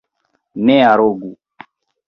Ne arogu!